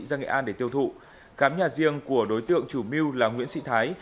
ra nghệ an để tiêu thụ khám nhà riêng của đối tượng chủ mưu là nguyễn sĩ thái